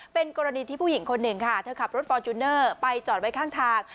เป็นกรณีที่ผู้หญิงคนหนึ่งค่ะเธอขับรถฟอร์จูเนอร์ไปจอดไว้ข้างทาง